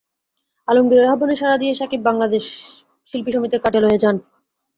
আলমগীরের আহ্বানে সাড়া দিয়ে শাকিব বাংলাদেশ শিল্পী সমিতির কার্যালয়ে যান।